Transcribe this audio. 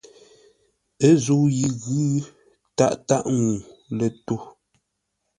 Ə́ zə̂u yi ghʉ̌, tâʼ tâʼ ŋuu lə̂ tô.